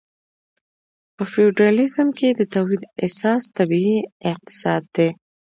په فیوډالیزم کې د تولید اساس طبیعي اقتصاد و.